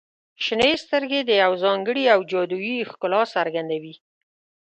• شنې سترګې د یو ځانګړي او جادويي ښکلا څرګندوي.